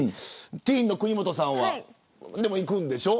ティーンの国本さんはでも、行くんでしょ。